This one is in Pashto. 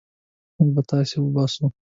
موږ به تاسي وباسو.